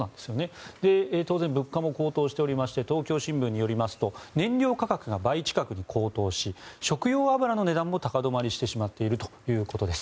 当然、物価も高騰しておりまして東京新聞によりますと燃料価格が倍近くに高騰し食用油の値段も高止まりしているということです。